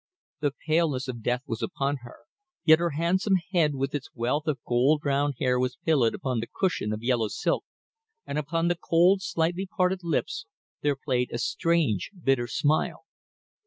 The paleness of death was upon her, yet her handsome head with its wealth of gold brown hair was pillowed upon the cushion of yellow silk, and upon the cold, slightly parted lips there played a strange, bitter smile.